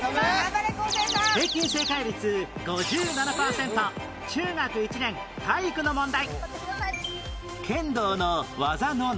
平均正解率５７パーセント中学１年体育の問題